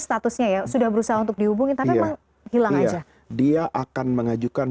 statusnya ya sudah berusaha untuk dihubungin tapi malah hilang aja dia akan mengajukan